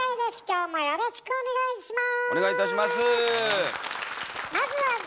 あよろしくお願いします。